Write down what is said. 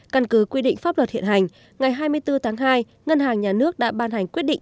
căn cứ quy định pháp luật hiện hành ngày hai mươi bốn tháng hai ngân hàng nhà nước đã ban hành quyết định